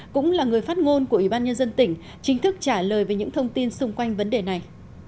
cũng là người phát ngôn của ủy ban nhân dân tỉnh chính thức trả lời về những thông tin xung quanh vấn đề này